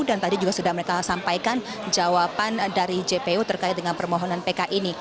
dan tadi juga sudah mereka sampaikan jawaban dari jpu terkait dengan permohonan pk ini